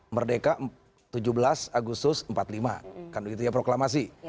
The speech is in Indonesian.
merdeka tujuh belas agustus seribu sembilan ratus empat puluh lima kan begitu ya proklamasi